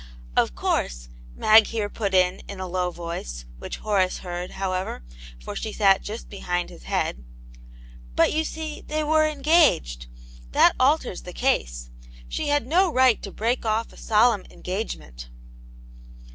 "Of course, Mag here put in in a low voice, which Horace heard, however, for 3hc sat just behind his head, " but you see, they were engaged. That alters the case. She had no right to break off a solemn engagement.